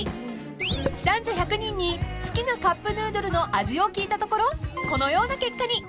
［男女１００人に好きなカップヌードルの味を聞いたところこのような結果に］